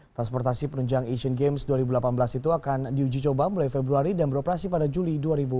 transportasi penunjang asian games dua ribu delapan belas itu akan diuji coba mulai februari dan beroperasi pada juli dua ribu delapan belas